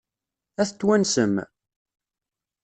Ad t-twansem?